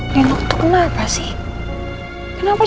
kita akan datang ke rumah